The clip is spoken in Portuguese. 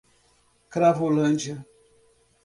Cravolândia